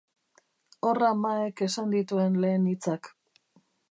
Horra Maek esan dituen lehen hitzak.